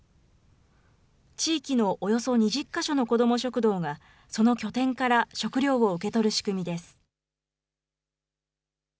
地域のおよそ２０か所の子ども食堂が、その拠点から食料を受け取る仕組みです。